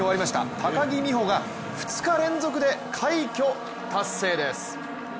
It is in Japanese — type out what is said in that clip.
高木美帆が２日連続で快挙達成です。